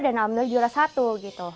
dan alhamdulillah juara satu gitu